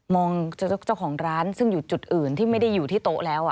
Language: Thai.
เจ้าของร้านซึ่งอยู่จุดอื่นที่ไม่ได้อยู่ที่โต๊ะแล้ว